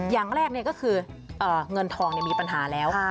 อย่างแรกก็คือเงินทองมีปัญหาแล้ว